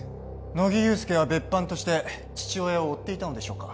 乃木憂助は別班として父親を追っていたのでしょうか？